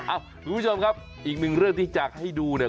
คุณผู้ชมครับอีกหนึ่งเรื่องที่อยากให้ดูเนี่ย